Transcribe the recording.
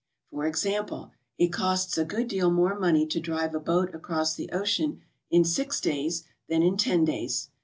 For example, it costs a good deal more money to drive a boat across the ocean in six days than in ten days.